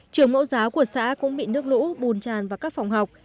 trường mẫu giáo của xã cũng bị nước lũ bùn tràn vào các phòng học